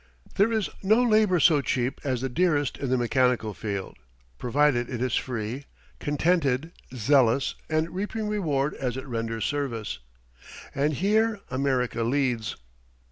There is no labor so cheap as the dearest in the mechanical field, provided it is free, contented, zealous, and reaping reward as it renders service. And here America leads.